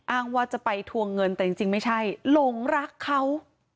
อ้างว่าจะไปทวงเงินแต่จริงไม่ใช่หลงรักเขา